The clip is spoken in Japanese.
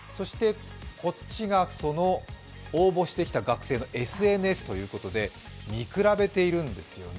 こちらがその応募してきた学生のＳＮＳということで、見比べているんですよね。